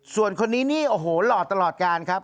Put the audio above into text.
ส่วนคนนี้นี่โอ้โหหล่อตลอดการครับ